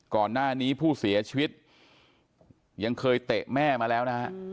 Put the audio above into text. ก่อนหน้านี้ผู้เสียชีวิตยังเคยเตะแม่มาแล้วนะฮะ